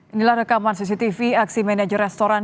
inilah rekaman cctv aksi manajer restoran